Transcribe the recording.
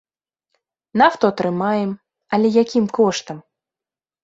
Нафту атрымаем, але якім коштам?